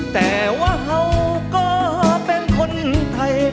แต่ว่าเขาก็เป็นคนไทย